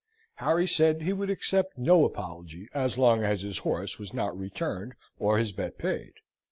Harry said he would accept no apology as long as his horse was not returned or his bet paid.